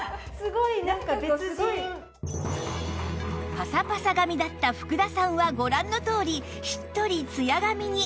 パサパサ髪だった福田さんはご覧のとおりしっとりツヤ髪に